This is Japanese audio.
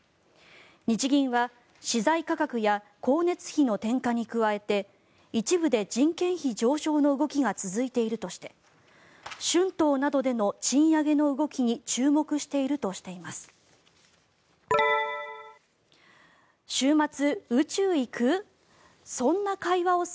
日銀は資材価格や光熱費の転嫁に加えて一部で人件費上昇の動きが続いているとして春闘などでの賃上げの動きに注目しているとしています。